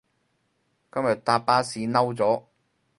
今日搭巴士嬲咗